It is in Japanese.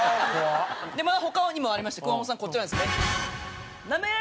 まだ他にもありまして熊元さんこちらですね。